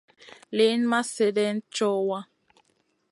Liyn ma slèdeyn co wa.